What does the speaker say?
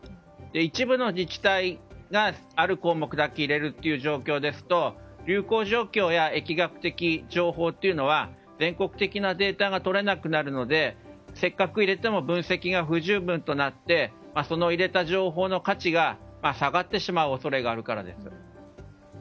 一部の自治体がある項目だけ入れる状況ですと流行状況や疫学的情報というのは全国的なデータが取れなくなるのでせっかく入れても分析が不十分となって入れた情報の価値が下がる恐れがあるからです。